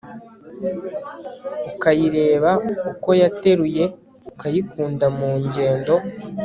Ukayireba uko yateruye Ukayikunda mu ngendo